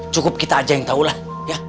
cukup kita aja yang tahu lah ya